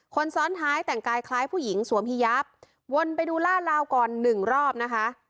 คนซ้อนท้ายแต่งกายคล้ายผู้หญิงสวมฮียับวนไปดูล่าลาวก่อนหนึ่งรอบนะคะ